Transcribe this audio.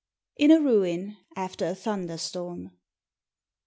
IN A RUIN, AFTER A THUNDERSTORM.